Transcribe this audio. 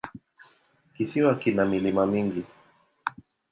Kisiwa kina milima mingi.